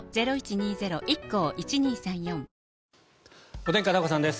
お天気、片岡さんです。